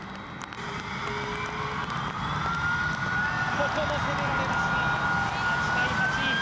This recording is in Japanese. ここも攻められました。